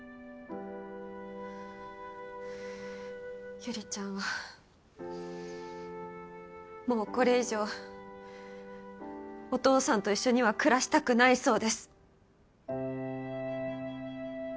悠里ちゃんはもうこれ以上お父さんと一緒には暮らしたくないそうです。